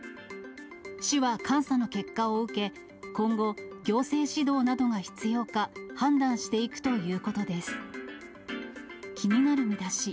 市は監査の結果を受け、今後、行政指導などが必要か、判断していくということです。